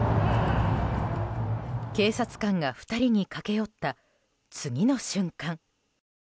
警察官が２人に駆け寄った次の瞬間